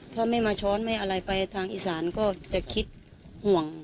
ถ้าไม่มาช้อนไปทางอิสันก็จะคิดห่วง